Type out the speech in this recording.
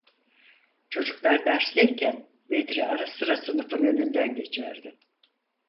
Çocuklar dersteyken Bedri ara sıra sınıfın önünden geçerdi.